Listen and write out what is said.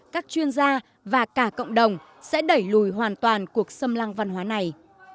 các chuyên gia và cả cộng đồng sẽ đẩy lùi hoàn toàn cuộc xâm lăng văn hóa này